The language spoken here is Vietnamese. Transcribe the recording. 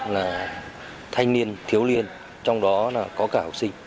là thanh niên thiếu niên trong đó là có cả học sinh